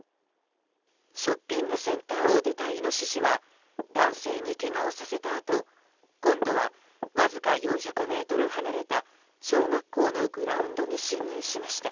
ショッピングセンターを出たイノシシは男性にけがをさせたあと今度はわずか４００ｍ離れた小学校のグラウンドに侵入しました。